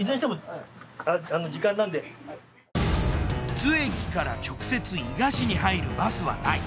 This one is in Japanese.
津駅から直接伊賀市に入るバスはない。